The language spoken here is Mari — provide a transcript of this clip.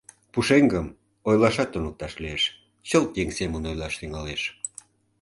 Пушеҥгым ойлашат туныкташ лиеш, чылт еҥ семын ойлаш тӱҥалеш.